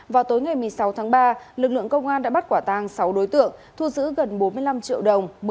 vào tối ngày một mươi sáu tháng ba lực lượng công an đã bắt quả tang sáu đối tượng thu giữ gần bốn mươi năm triệu đồng